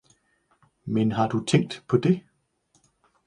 Men har Du tænkt paa det.